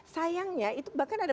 sayangnya itu bahkan ada